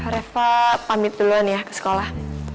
reva pamit duluan ya ke sekolah